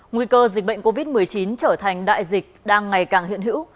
nguy cơ dịch bệnh covid một mươi chín trở thành đại dịch đang ngày càng hiện hữu